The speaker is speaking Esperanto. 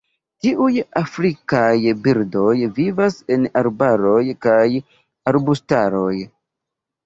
Tiuj afrikaj birdoj vivas en arbaroj kaj arbustaroj.